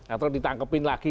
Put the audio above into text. atau ditangkepin lagi